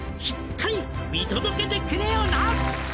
「しっかり見届けてくれよな」